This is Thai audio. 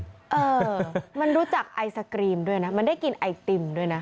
เออมันรู้จักไอศกรีมด้วยนะมันได้กินไอติมด้วยนะ